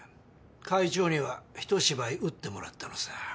会長にはひと芝居打ってもらったのさ。